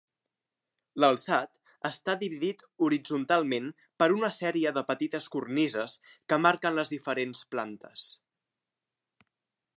L'alçat està dividit horitzontalment per una sèrie de petites cornises que marquen les diferents plantes.